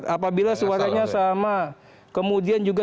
apabila suaranya sama kemudian juga